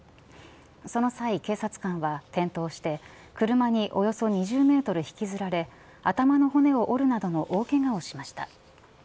その際、警察官は転倒して車におよそ２０メートル引きずられ頭の骨を折るなどの大けがをしました。